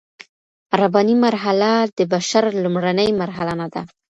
رباني مرحله د بشر لومړنۍ مرحله نه ده.